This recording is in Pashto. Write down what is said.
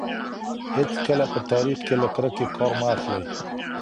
هېڅکله په تاریخ کي له کرکې کار مه اخلئ.